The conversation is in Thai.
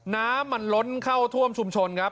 น้ำมันล้นเข้าท่วมชุมชนครับ